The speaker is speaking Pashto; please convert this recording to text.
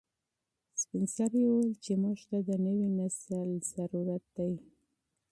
سپین سرې وویل چې موږ ته د نوي نسل ضرورت دی.